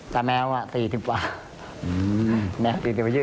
แต่แมว๔๐พอ